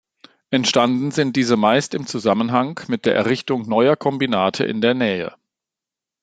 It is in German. Entstanden sind diese meist im Zusammenhang mit der Errichtung neuer Kombinate in der Nähe.